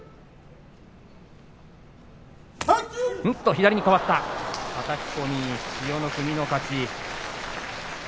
左に変わったはたき込み千代の国の勝ち。